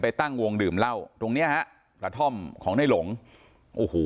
ตั้งวงดื่มเหล้าตรงเนี้ยฮะกระท่อมของในหลงโอ้โห